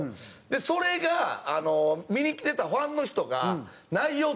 でそれがあの見に来てたファンの人が内容